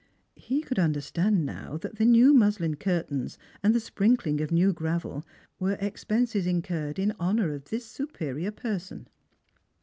He could understand now that tlie new muslin curtains and the sprinkling cf new gravel were expenses incurred in honour of this superior jjerson.